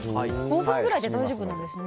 ５分くらいで大丈夫なんですね。